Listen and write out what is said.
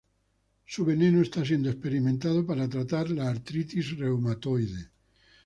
Su veneno está siendo experimentado para tratar la artritis reumatoide.